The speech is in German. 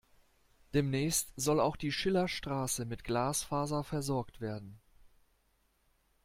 Demnächst soll auch die Schillerstraße mit Glasfaser versorgt werden.